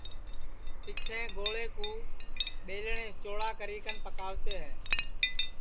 پیچھیں گوݪے کُو ٻیلٹؔیس چوڑی کری کن پکاوتے ہے